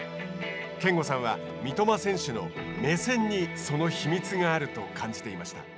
憲剛さんは、三笘選手の目線にその秘密があると感じていました。